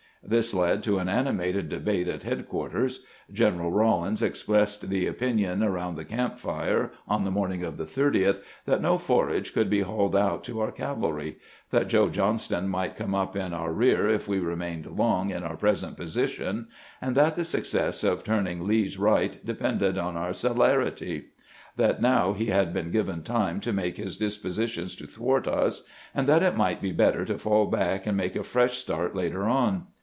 This led to an animated debate at headquarters. General Eaw hns expressed the opinion around the camp fire, on the morning of the 30th, that no forage could be hauled out to our cavalry ; that Joe Johnston might come up in our rear if we remained long in our present position ; that the success of turning Lee's right depended on our ce 428 CAMPAIGNING WITH GBANT lerity; that now he had been given time to make his dispositions to thwart us ; and that it might be better to fall back, and make a fresh start later on.